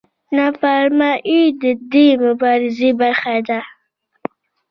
نافرماني د دې مبارزې برخه ده.